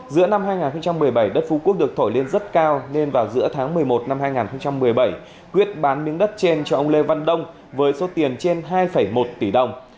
giữa năm hai nghìn một mươi bảy đất phú quốc được thổi lên rất cao nên vào giữa tháng một mươi một năm hai nghìn một mươi bảy quyết bán miếng đất trên cho ông lê văn đông với số tiền trên hai một tỷ đồng